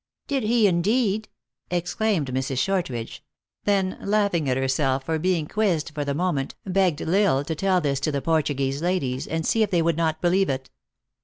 " Did he, indeed ?" exclaimed Mrs. Shortridge ; then laughing at herself for being quizzed for the mo ment, begged L Isle to tell this to the Portuguese ladies, and see if they would not believe it.